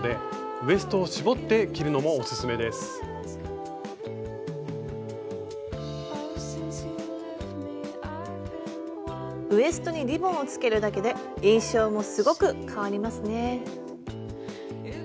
ウエストにリボンをつけるだけで印象もすごく変わりますね。